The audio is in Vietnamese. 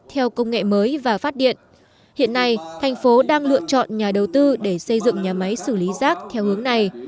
theo công nghệ mới và phát điện hiện nay thành phố đang lựa chọn nhà đầu tư để xây dựng nhà máy xử lý rác theo hướng này